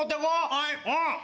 はい。